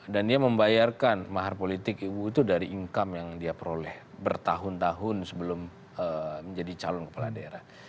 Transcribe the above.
dan dia membayarkan mahar politik itu dari income yang dia peroleh bertahun tahun sebelum menjadi calon kepala daerah